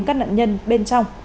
các nạn nhân bên trong